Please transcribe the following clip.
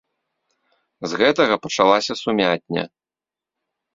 З гэтага пачалася сумятня.